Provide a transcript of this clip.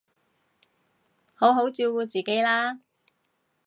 好好照顧自己啦